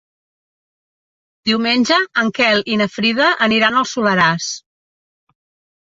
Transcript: Diumenge en Quel i na Frida aniran al Soleràs.